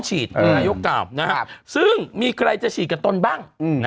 ฉีดยกกลับนะครับซึ่งมีใครจะฉีดกับตนบ้าง